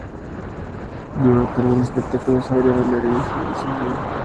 Durante algunos espectáculos, habría dos bailarines en el escenario.